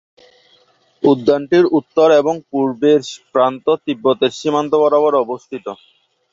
উদ্যানটির উত্তর এবং পূর্বের প্রান্ত তিব্বতের সীমান্ত বরাবর অবস্থিত।